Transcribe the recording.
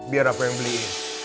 biar aku yang beliin